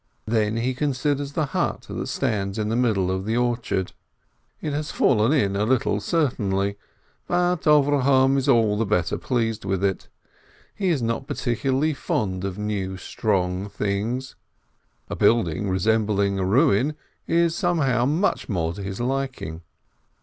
Then he con siders the hut that stands in the middle of the orchard. It has fallen in a little certainly, but Avrohom is all the better pleased with it. He is not particularly fond of new, strong things, a building resembling a ruin is somehow much more to his liking.